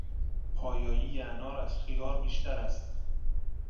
پایایی انار از خیار بیشتر است.